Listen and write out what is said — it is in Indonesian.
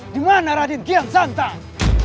dimana raden kian santang